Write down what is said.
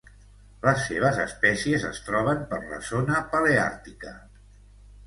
Les seves espècies es troben per la zona paleàrtica.